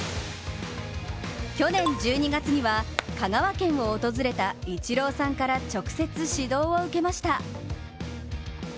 去年１２月には香川県を訪れたイチローさんから直接指導を受けました。